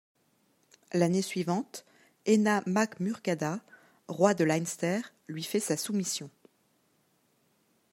L'année suivante Énna Mac Murchada, roi de Leinster lui fait sa soumission.